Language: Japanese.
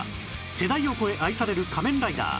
世代を超え愛される『仮面ライダー』